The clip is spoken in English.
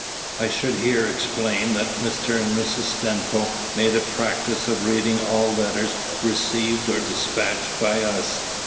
I should here explain that Mr. and Mrs. Stimcoe made a practice of reading all letters received or despatched by us.